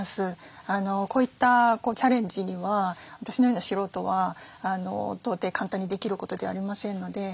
こういったチャレンジには私のような素人は到底簡単にできることではありませんので。